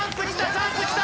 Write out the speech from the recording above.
チャンスきた！